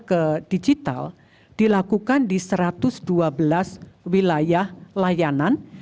ke digital dilakukan di satu ratus dua belas wilayah layanan